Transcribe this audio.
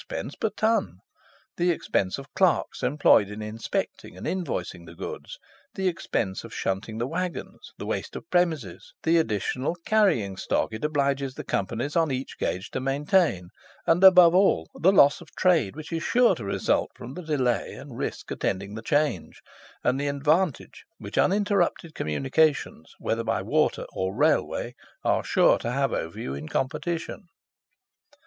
_ per ton: the expense of clerks employed in inspecting and invoicing the goods, the expense of shunting the waggons, the waste of premises, the additional carrying stock it obliges the Companies on each gauge to maintain, and, above all, the loss of trade which is sure to result from the delay and risk attending the change, and the advantage which uninterrupted communications, whether by Water or Railway, are sure to have over you in competition.